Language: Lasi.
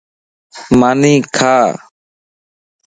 ماني کا